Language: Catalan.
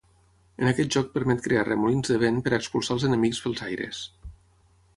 En aquest joc permet crear remolins de vent per expulsar els enemics pels aires.